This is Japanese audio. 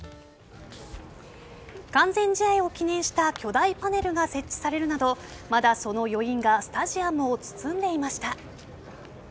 完全試合を記念した巨大パネルが設置されるなどまだその余韻がスタジアムを包んでいました。